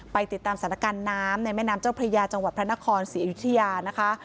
ติดตามสถานการณ์น้ำในแม่น้ำเจ้าพระยาจังหวัดพระนครศรีอยุธยานะคะ